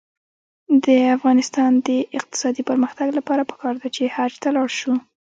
د افغانستان د اقتصادي پرمختګ لپاره پکار ده چې حج ته لاړ شو.